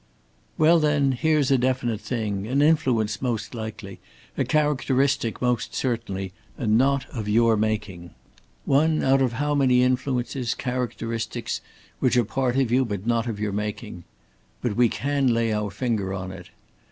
"Well, then, here's a definite thing, an influence most likely, a characteristic most certainly, and not of your making! One out of how many influences, characteristics which are part of you but not of your making! But we can lay our finger on it.